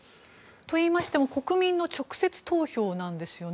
といいましても国民の直接投票なんですよね。